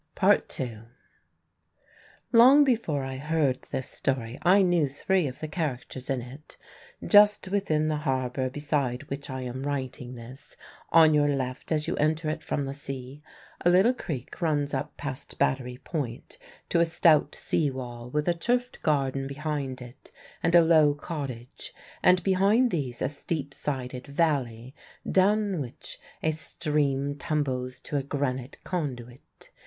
II. Long before I heard this story I knew three of the characters in it. Just within the harbour beside which I am writing this on your left as you enter it from the sea a little creek runs up past Battery Point to a stout sea wall with a turfed garden behind it and a low cottage, and behind these a steep sided valley, down which a stream tumbles to a granite conduit.